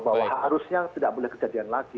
bahwa harusnya tidak boleh kejadian lagi